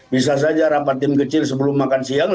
bisa saja rapat tim kecil sebelum makan siang